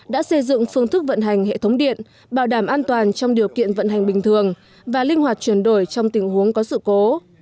đã xây dựng phương thức vận hành hệ thống điện bảo đảm an toàn trong điều kiện vận hành bình thường và linh hoạt chuyển đổi trong tình huống có sự cố